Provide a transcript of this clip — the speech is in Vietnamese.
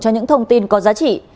cho những thông tin có giá trị